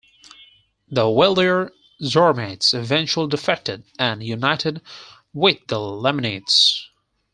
The wealthier Zoramites eventually defected and united with the Lamanites.